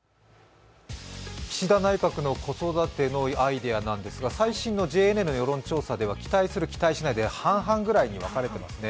岸田内閣の子育てのアイデアなんですが最新のＪＮＮの世論調査では、期待する、期待しないで半々ぐらいに分かれていますね。